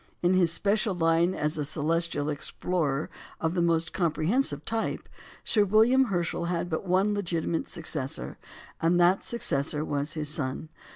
In his special line as a celestial explorer of the most comprehensive type, Sir William Herschel had but one legitimate successor, and that successor was his son.